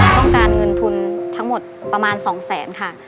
ต้องการเงินทุนทั้งหมดประมาณ๒แสนค่ะ